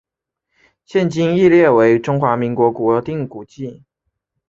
现今亦列为中华民国国定古迹。